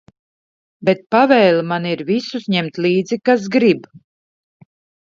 Bet pavēle man ir visus ņemt līdzi, kas grib.